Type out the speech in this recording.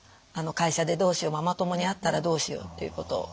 あの「会社でどうしよう」「ママ友に会ったらどうしよう」っていうこと。